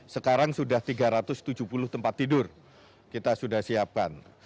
sekarang sudah tiga ratus tujuh puluh tempat tidur kita sudah siapkan